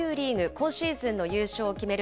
今シーズンの優勝を決める